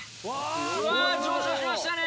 うわ上昇しましたね！